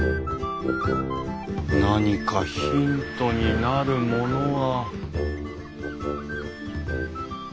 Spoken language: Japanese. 何かヒントになるものは。